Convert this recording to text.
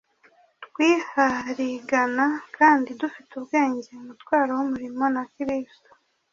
twiharigana kandi dufite ubwenge. Umutwaro w'umurimo na kristo